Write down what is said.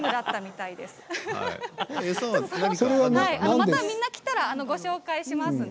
またみんな来たらご紹介しますね。